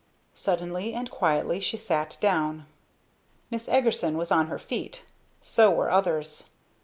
Suddenly and quietly she sat down. Miss Eagerson was on her feet. So were others.